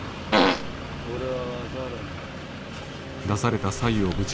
俺は分かるんだ。